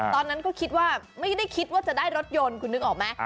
ตอนนั้นก็คิดว่าไม่ได้คิดว่าจะได้รถยนต์คุณนึกออกไหม